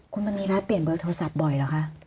คุณมณีรัฐเปลี่ยนเบอร์โทรศัพท์บ่อยเหรอคะ